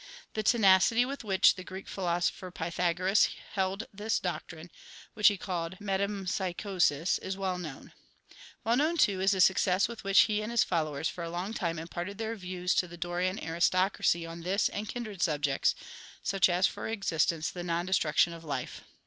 The tenacity with which the Greek philosopher Pythagoras held this doctrine, which he called metempsychosis, is well known. Well known, too, is the success with which he and his followers for a long time imparted their views to the Dorian aristocracy on this and kindred subjects, such as, for instance, the non destruction of life.